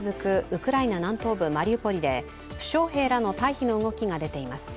ウクライナ南東部マリウポリで負傷兵らの退避の動きが出ています。